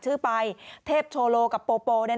ไปเทพโชโลกับโปโป